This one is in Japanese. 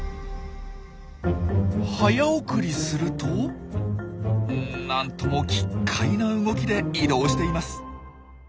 早送りするとなんとも奇っ怪な動きで移動しています。